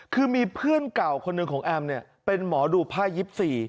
คือมีเพื่อนเก่าคนหนึ่งของแอมเป็นหมอดูไพร์๒๔